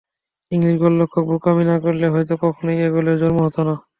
English গোলরক্ষক বোকামি না করলে হয়তো কখনোই এ গোলের জন্ম হতো না।